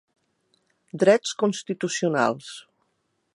Drets constitucionals.